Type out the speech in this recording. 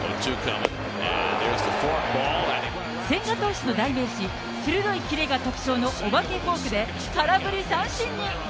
千賀投手の代名詞、鋭いキレが特徴のお化けフォークで、空振り三振に。